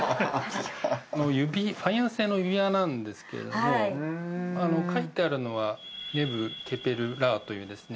ファイアンス製の指輪なんですけれども書いてあるのは「ネブケペルラー」というですね